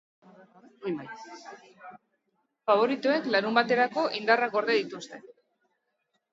Faboritoek larunbaterako indarrak gorde dituzte.